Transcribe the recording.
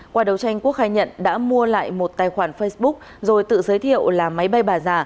qua đấu tranh quốc khai nhận đã mua lại một tài khoản facebook rồi tự giới thiệu là máy bay bà giả